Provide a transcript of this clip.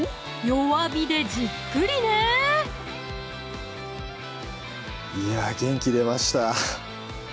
弱火でじっくりねいや元気出ました